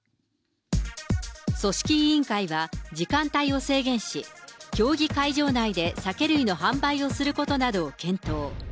組織委員会は時間帯を制限し、競技会場内で酒類の販売をすることなどを検討。